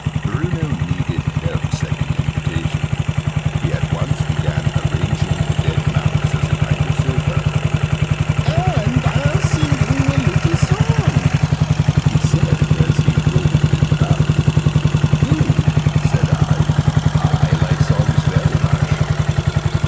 Bruno needed no second invitation: he at once began arranging the dead mouse as a kind of sofa. "And I'll sing oo a little song," he said, as he rolled it about. "Do," said I: "I like songs very much."